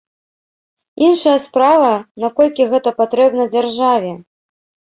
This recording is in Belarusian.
Іншая справа, наколькі гэта патрэбна дзяржаве.